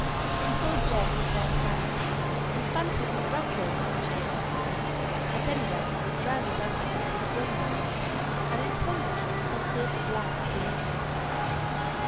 He saw Jem was downcast, and fancied his rattling might cheer him; at any rate, it drowned his aunt's muttered grumblings, and in some measure concealed the blank of the evening.